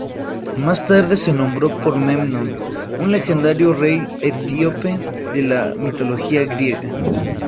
Más tarde se nombró por Memnón, un legendario rey etíope de la mitología griega.